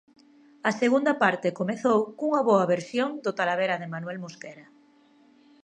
A segunda parte comezou cunha boa versión do Talavera de Manuel Mosquera.